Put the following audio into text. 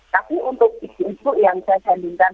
tapi untuk ibu ibu yang saya sandingkan